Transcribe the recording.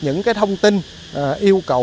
những thông tin yêu cầu